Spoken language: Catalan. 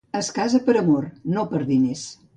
Es casa per amor, no per diners.